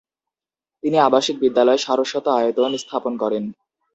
তিনি আবাসিক বিদ্যালয় সারস্বত আয়তন স্থাপন করেন।